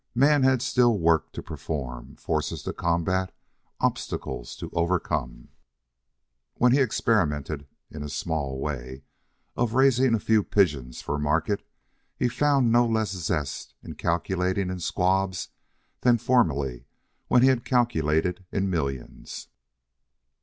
Man had still work to perform, forces to combat, obstacles to overcome. When he experimented in a small way at raising a few pigeons for market, he found no less zest in calculating in squabs than formerly when he had calculated in millions.